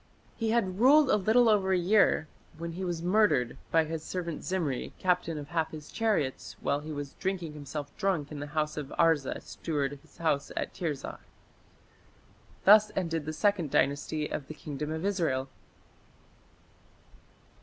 He had ruled a little over a year when he was murdered by "his servant Zimri, captain of half his chariots", while he was "drinking himself drunk in the house of Arza steward of his house in Tirzah". Thus ended the Second Dynasty of the Kingdom of Israel.